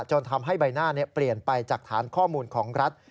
จนทำให้ใบหน้าเปลี่ยนไปจากฐานข้อมูลของรัฐ